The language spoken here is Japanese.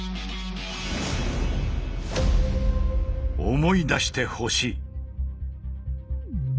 思い出してほしい。